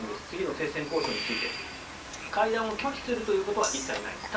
次の停戦交渉について会談を拒否するということは一切ない。